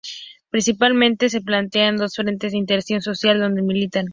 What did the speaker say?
Principalmente se plantean dos frentes de inserción social donde militan.